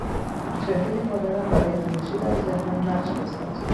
چهرهی مادرم برای همیشه در ذهنم نقش بسته است.